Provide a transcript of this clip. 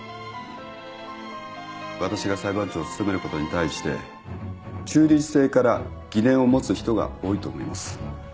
私が裁判長を務めることに対して中立性から疑念を持つ人が多いと思います。